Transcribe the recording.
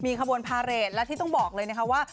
ขบวนพาเรทและที่ต้องบอกเลยนะคะว่า